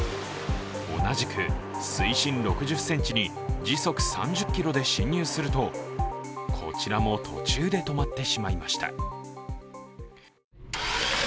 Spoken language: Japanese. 同じく水深６０ｃｍに時速３０キロで侵入するとこちらも途中で止まってしまいました。